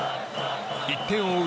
１点を追う